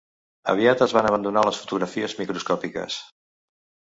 Aviat es van abandonar les fotografies microscòpiques.